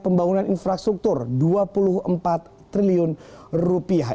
pembangunan infrastruktur dua puluh empat triliun rupiah